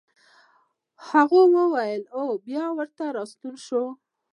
هغه دا وويل او بېرته راستون شو.